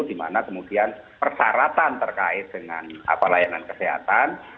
di mana kemudian persyaratan terkait dengan layanan kesehatan